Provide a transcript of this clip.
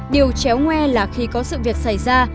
điều chéo ngoe là khi có sự việc xảy ra